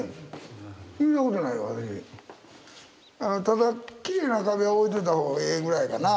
ただきれいな壁は置いといた方がええぐらいかな。